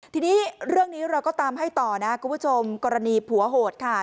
ทีนี้เรื่องนี้เราก็ตามให้ต่อนะคุณผู้ชมกรณีผัวโหดค่ะ